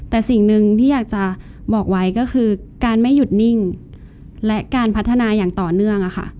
แต่สิ่งหนึ่งที่อยากจะบอกไว้ก็คือการไม่หยุดนิ่งและการพัฒนาอย่างต่อเนื่อง